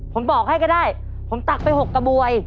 ผมบอกให้ก็ได้ผมตักไป๖กระบวย